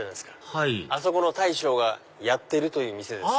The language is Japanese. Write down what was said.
はいあそこの大将がやってる店です。